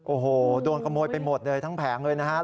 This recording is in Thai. โอ้โหโดนขโมยไปหมดเลยทั้งแผงเลยนะครับ